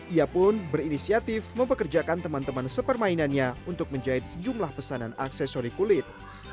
ia pun berinisiatif mempekerjakan teman teman sepermainannya untuk menjahit sejumlah pesanan aksesori kulit